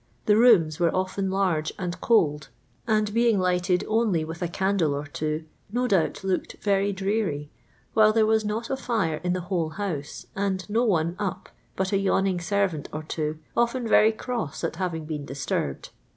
The rooms were often large and cold.. and being lighted only with a candle or two, no doubt looked ver}' dreary, while there was not a fire in the whole house, and no one up bat a yawning servant or two, often very cross at having been disturbed.